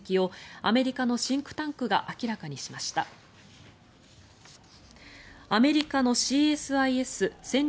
アメリカのＣＳＩＳ・戦略